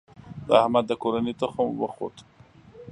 د احمد د کورنۍ تخم وخوت.